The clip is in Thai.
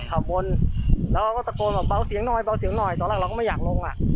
ขับวนแล้วเขาก็ตะโกนบอกเบาเสียงหน่อยเบาเสียงหน่อยตอนแรกเราก็ไม่อยากลงอ่ะ